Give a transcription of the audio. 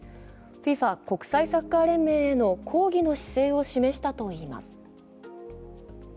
ＦＩＦＡ＝国際サッカー連盟への抗議の姿勢を示したといいます。